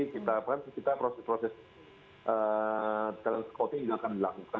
kita proses proses transkoding juga akan dilakukan